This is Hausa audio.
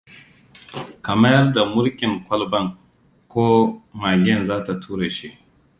Ka mayar da murfin kwalbar, ko magen za ta ture shi.